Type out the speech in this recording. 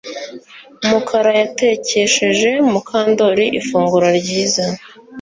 Mukara yatekesheje Mukandoli ifunguro ryiza